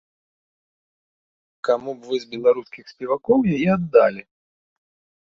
Каму б вы з беларускіх спевакоў яе аддалі?